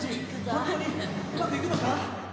本当にうまくいくのか？